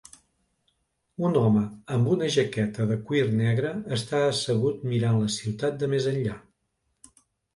Un home amb una jaqueta de cuir negre està assegut mirant la ciutat de més enllà.